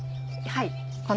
はい。